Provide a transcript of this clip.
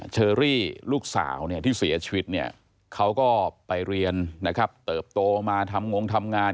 เชอรี่ลูกสาวที่เสียชีวิตเนี่ยเขาก็ไปเรียนนะครับเติบโตมาทำงงทำงาน